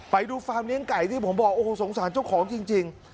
ฟาร์มเลี้ยงไก่ที่ผมบอกโอ้โหสงสารเจ้าของจริง